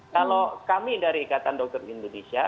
kalau kami dari ikatan dokter indonesia